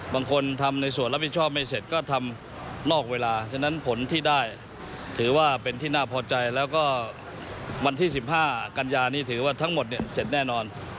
บางคนทำในส่วนรับผิดชอบไม่เสร็จก็ทำนอกเวลาฉะนั้นผลที่ได้ถือว่าเป็นที่น่าพอใจแล้วก็วันที่๑๕กันยานี้ถือว่าทั้งหมดเนี่ยเสร็จแน่นอน